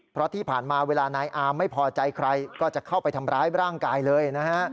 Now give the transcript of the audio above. เพราะที่ผ่านมาเวลานายอามไม่พอใจใครก็จะเข้าไปทำร้ายร่างกายเลยนะฮะ